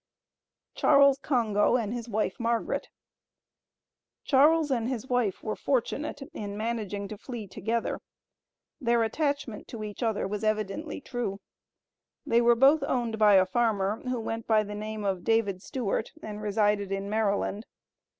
CHARLES CONGO AND WIFE, MARGARET. Charles and his wife were fortunate in managing to flee together. Their attachment to each other was evidently true. They were both owned by a farmer, who went by the name of David Stewart, and resided in Maryland.